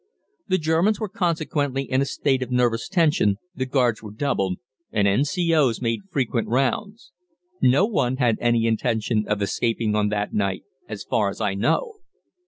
The Germans were consequently in a state of nervous tension, the guards were doubled, and N.C.O.'s made frequent rounds. No one had any intention of escaping on that night as far as I know.